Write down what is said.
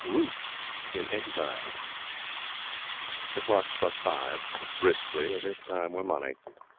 _' RUTH IN EXILE The clock struck five briskly, as if time were money.